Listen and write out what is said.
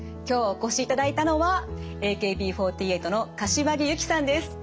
今日お越しいただいたのはＡＫＢ４８の柏木由紀さんです。